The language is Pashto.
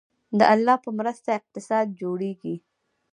د الله په مرسته اقتصاد جوړیږي